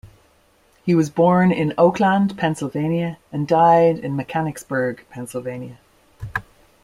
He was born in Oakland, Pennsylvania and died in Mechanicsburg, Pennsylvania.